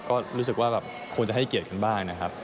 ก็รู้สึกว่าแบบควรจะให้เกียรติกันบ้างนะครับ